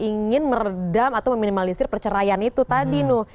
ingin meredam atau meminimalisir perceraian itu tadi